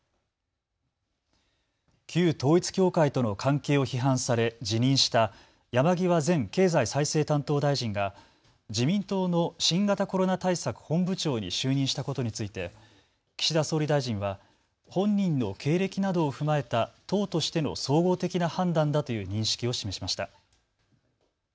旧統一教会との関係を批判され辞任した山際前経済再生担当大臣が自民党の新型コロナ対策本部長に就任したことについて岸田総理大臣は本人の経歴などを踏まえた党としての総合的な判断だという認識を示しました。